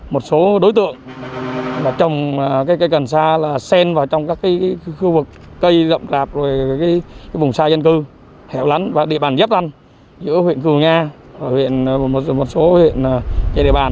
một số đối tượng trồng cây cần xa là sen vào trong các khu vực cây rộng rạp vùng xa dân cư hẻo lắn và địa bàn dấp lăn giữa huyện cửu nga và một số huyện chế địa bàn